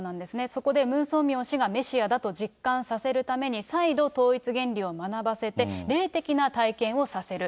そこでムン・ソンミョン氏がメシアだと実感させるために、再度、統一原理を学ばせて、霊的な体験をさせる。